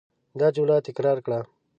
دا جمله تکرار کړه.